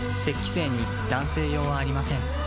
精に男性用はありません